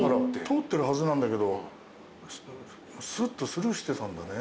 通ってるはずなんだけどスッとスルーしてたんだね。